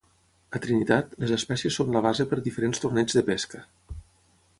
A Trinitat, les espècies són la base per diferents torneigs de pesca.